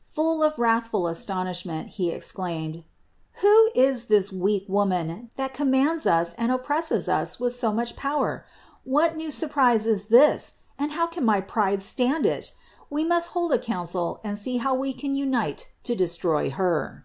Full of wrathful astonishment, he exclaimed: "Who is this weak Woman, that commands us and op THE INCARNATION 255 presses us with so much power? What new surprise is this, and how can my pride stand it? We must hold a council and see how we can unite to destroy Her."